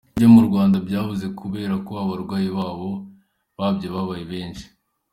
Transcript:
Ibyo mu Rwanda byabuze kubera ko abaryi babyo babaye benshi.